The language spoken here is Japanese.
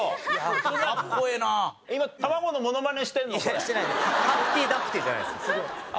いやしてないです。